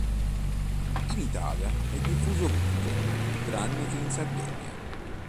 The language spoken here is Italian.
In Italia è diffuso ovunque, tranne che in Sardegna.